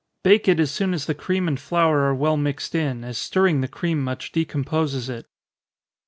Bake it as soon as the cream and flour are well mixed in, as stirring the cream much decomposes it.